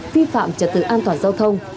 vi phạm trật tự an toàn giao thông